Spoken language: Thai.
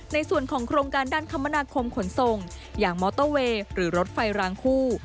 ในส่วนของโครงการด้านคมนาคมขนส่งอย่างมอเตอร์เวย์หรือรถไฟรางคู่